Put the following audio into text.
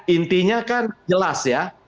intinya kan jelas ya